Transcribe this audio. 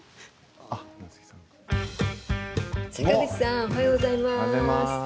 坂口さんおはようございます。